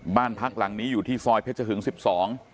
บ้านพักหลังนี้อยู่ที่ซอยเพชรหึงสิบสอง